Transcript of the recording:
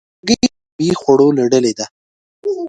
هګۍ د طبیعي خوړو له ډلې ده.